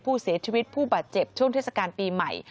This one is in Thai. ผู้เสียชีวิตผู้บาดเจ็บช่วงเทศกาลปีใหม่